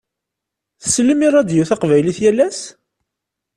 Tsellem i ṛṛadio taqbaylit yal ass?